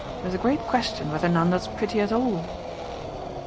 There's a great question whether Nanda's pretty at all."